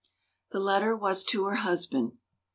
The letter was to her husband.